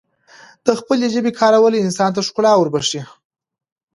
دخپلې ژبې کارول انسان ته ښکلا وربښی